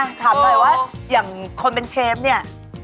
ถามหน่อยว่าอย่างคนเป็นเชฟเนี่ย